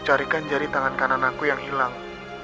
carikan jari tangan kanan aku yang hilang